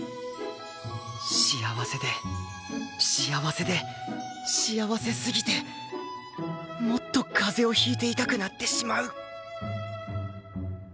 幸せで幸せで幸せすぎてもっと風邪を引いていたくなってしまう